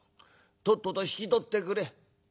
とっとと引き取ってくれ。